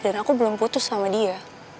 dan aku belum putus sama dia